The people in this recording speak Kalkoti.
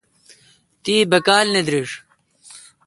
تی باکال نہ درݭ ۔